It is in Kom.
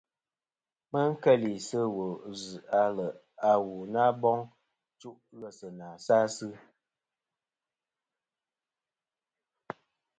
Ma keli sɨ wul vzɨ aleʼ a wu na boŋ chuʼ ghelɨ sa asɨ.